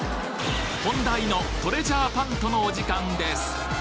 本題のトレジャーパントのお時間です！